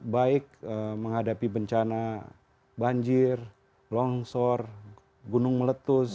baik menghadapi bencana banjir longsor gunung meletus